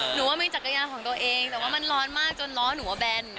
หนูว่ามีจักรยานของตัวเองแต่ว่ามันร้อนมากจนล้อหนูว่าแบน